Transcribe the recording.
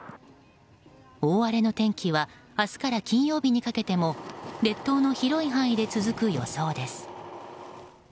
大荒れの天気は明日から金曜日にかけても列島の広い範囲で続く予想です。